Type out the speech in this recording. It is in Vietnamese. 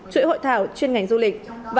chuỗi hội thảo chuyên ngành du lịch